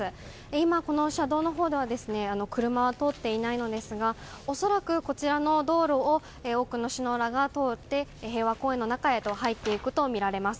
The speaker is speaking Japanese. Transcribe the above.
今、この車道のほうでは車は通っていないのですが恐らくこちらの道路を多くの首脳らが通って平和公園の中へと入っていくとみられます。